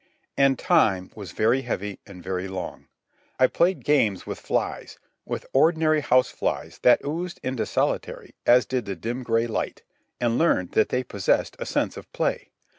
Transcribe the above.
And time was very heavy and very long. I played games with flies, with ordinary house flies that oozed into solitary as did the dim gray light; and learned that they possessed a sense of play.